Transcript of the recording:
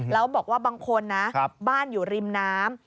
แล้วบอกว่าบางคนนะบ้านอยู่ริมน้ำ